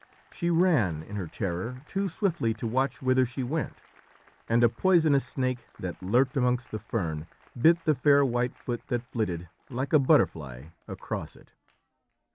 She ran, in her terror, too swiftly to watch whither she went, and a poisonous snake that lurked amongst the fern bit the fair white foot that flitted, like a butterfly, across it.